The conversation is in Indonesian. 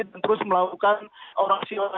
dan terus melakukan aksi bergantian